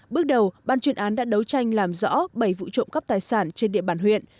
bước đầu ban chuyên án đã đấu tranh làm rõ bảy vụ trộm cắp tài sản trên địa bàn huyện